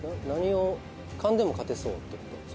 何を勘でも勝てそうってこと？